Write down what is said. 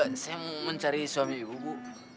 saya mau mencari suami ibu bu